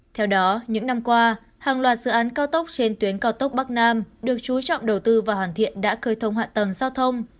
theo đó những năm qua hàng loạt dự án cao tốc trên tuyến cao tốc bắc nam được chú trọng đầu tư và hoàn thiện đã cơi thông hạ tầng giao thông